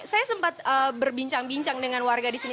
saya sempat berbincang bincang dengan warga di sini